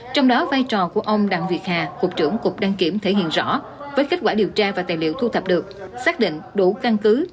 trong đó vai trò của ông đặng việt hà cục trưởng cục đăng kiểm thể hiện rõ với kết quả điều tra và tài liệu thu thập được xác định đủ căn cứ